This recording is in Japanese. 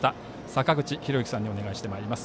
坂口裕之さんにお願いしています。